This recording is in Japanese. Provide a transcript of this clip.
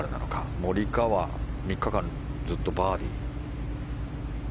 モリカワ３日間ずっとバーディー。